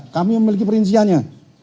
kami memiliki perinciannya